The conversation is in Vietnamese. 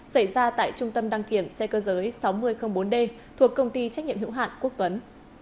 xảy ra tại trung tâm đăng kiểm xe cơ giới sáu nghìn bốn d thuộc công ty trách nhiệm hữu hạn quốc tuấn